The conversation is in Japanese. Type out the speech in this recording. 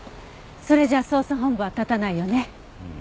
それじゃ捜査本部は立たないよね。